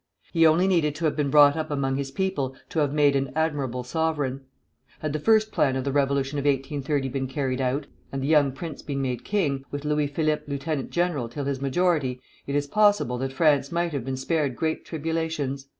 He only needed to have been brought up among his people to have made an admirable sovereign. Had the first plan of the Revolution of 1830 been carried out, and the young prince been made king, with Louis Philippe lieutenant general till his majority, it is possible that France might have been spared great tribulations.